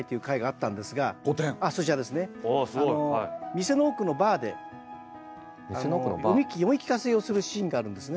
店の奥のバーで読み聞かせをするシーンがあるんですね。